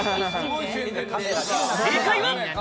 正解は。